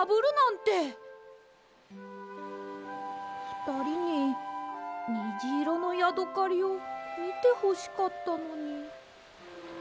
ふたりににじいろのヤドカリをみてほしかったのに。